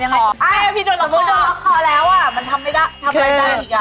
อ้าวพี่โดนล็อคคอสมมุติโดนล็อคคอแล้วอะมันทำไม่ได้อีกอะ